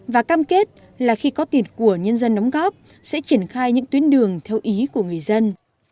và cam kết là khi có tiền của nhân dân đóng góp sẽ triển khai những tuyến đường theo ý của người dân